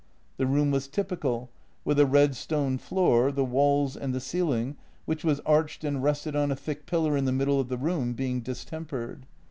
The room was typical, with a red stone floor, the walls and the ceiling, which was arched and rested on a thick pillar in the middle of the room, being distempered.